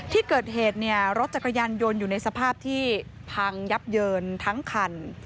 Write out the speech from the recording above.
ที่เกิดเหตุเนี่ยรถจักรยานยนต์อยู่ในสภาพที่พังยับเยินทั้งคัน